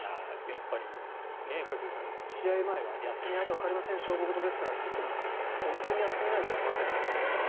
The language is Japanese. やっぱり一茂さん試合前はやってみないとわかりません勝負事ですからって言っていましたけど本当にやってみないとわからないんだという。